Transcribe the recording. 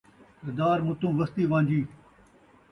سردار مُتوں وستی وان٘جی